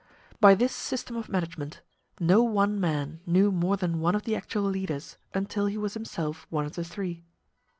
By this system of management no one man knew more than one of the actual leaders until he was himself one of the three.